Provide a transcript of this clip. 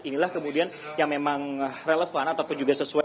inilah kemudian yang memang relevan ataupun juga sesuai